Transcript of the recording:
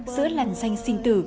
sữa làn xanh sinh tử